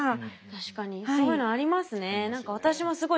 確かにそういうのありますね。